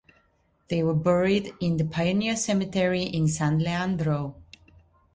They were buried in the Pioneer Cemetery in San Leandro.